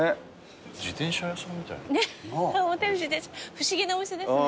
不思議なお店ですね。